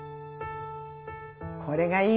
これがいいね